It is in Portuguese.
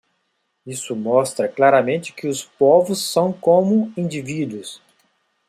Isso mostra claramente que os povos são como indivíduos.